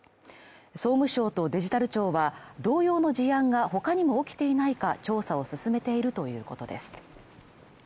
総務省とデジタル庁は、同様の事案が他にも起きていないか調査を進めているということです